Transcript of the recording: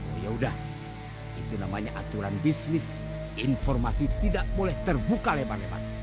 oh yaudah itu namanya aturan bisnis informasi tidak boleh terbuka lebar lebar